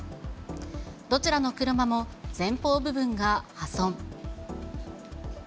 どちらの車も前方部分が破損。